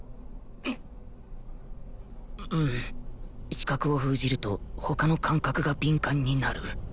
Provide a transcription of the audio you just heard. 視覚を封じると他の感覚が敏感になる